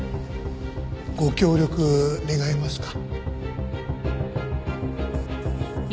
ご協力願えますか？